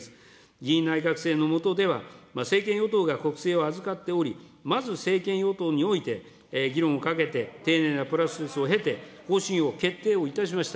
議院内閣制の下では、政権与党が国政を預かっており、まず政権与党において議論をかけて、丁寧なプロセスを経て、方針を決定をいたしました。